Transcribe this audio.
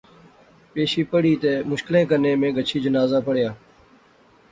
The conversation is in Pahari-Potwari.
پیشی پڑھی تے مشکلیں کنے میں گچھی جنازہ پڑھیا